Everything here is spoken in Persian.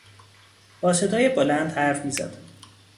با صدای بلند حرف میزد.